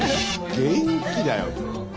元気だよ。